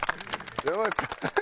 山内さん。